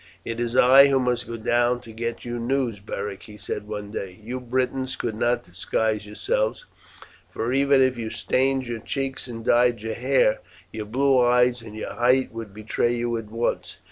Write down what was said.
"It is I who must go down to get you news, Beric," he said one day. "You Britons could not disguise yourselves, for even if you stained your cheeks and dyed your hair your blue eyes and your height would betray you at once.